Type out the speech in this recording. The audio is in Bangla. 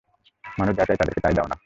মানুষ যা চায় তাদেরকে তাই দাও না?